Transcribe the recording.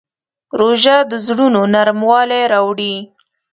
روژه د زړونو نرموالی راوړي.